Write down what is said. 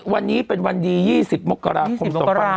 วันนี้เป็นวันดี๒๐มกราคม๒๕๖๒